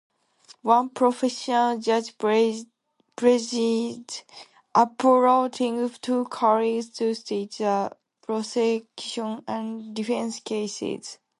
One professional judge presides, appointing two colleagues to state the prosecution and defense cases.